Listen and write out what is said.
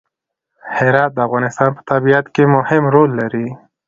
هرات د افغانستان په طبیعت کې مهم رول لري.